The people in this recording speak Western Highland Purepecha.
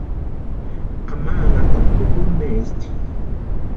Ama anhatapu pʼukuri maesti.